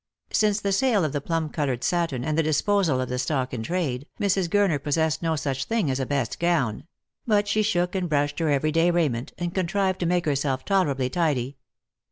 Since the sale of the plum coloured satin, and the disposal of the stock in trade, Mrs. Gurner possessed no such thing as a best gown; but she shook and brushed her every day raiment, and contrived to make herself tolerably tidy.